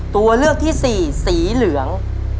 ตัวเลือกที่สี่สีเหลือง